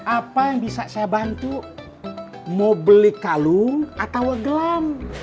apa yang bisa saya bantu mau beli kalung atau gelam